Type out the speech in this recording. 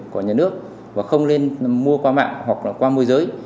của nhà nước và không nên mua qua mạng hoặc là qua môi giới